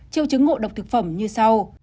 triệu chứng ngộ độc thực phẩm như sau